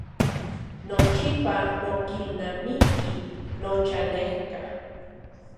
Nochipa nikilnamiki nochanejka.